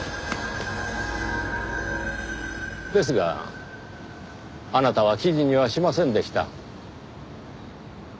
ですがあなたは記事にはしませんでした。